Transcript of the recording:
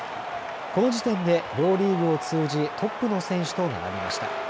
この時点で両リーグを通じトップの選手と並びました。